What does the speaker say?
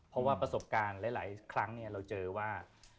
เพราะว่าประสบการณ์หลายครั้งเราเจอว่า